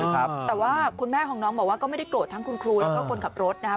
แต่ว่าคุณแม่ของน้องบอกว่าก็ไม่ได้โกรธทั้งคุณครูแล้วก็คนขับรถนะครับ